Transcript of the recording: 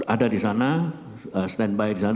ada di sana stand by di sana